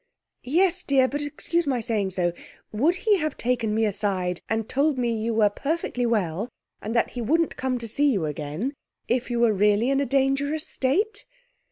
'Yes, dear; but, excuse my saying so, would he have taken me aside and told me you were perfectly well, and that he wouldn't come to see you again, if you were really in a dangerous state?'